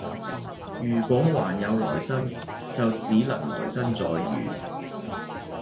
如果還有來生就只能來生再遇